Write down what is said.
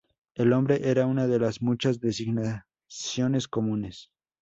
El hombre era una de las muchas designaciones comunes.